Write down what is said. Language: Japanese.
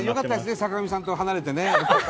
坂上さんと離れてね。